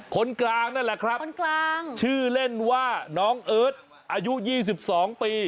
คนกลางนั่นแหละครับคนกลางชื่อเล่นว่าน้องเอิร์ทอายุ๒๒ปี